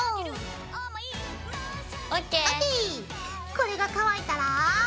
これが乾いたら。